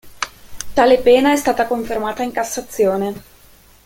Tale pena è stata confermata in Cassazione.